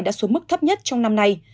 đã xuống mức thấp nhất trong năm nay